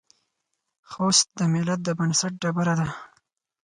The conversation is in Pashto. خوست د ملت د بنسټ ډبره ده.